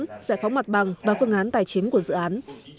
giải phóng mặt bằng và phương án tài chính của dự án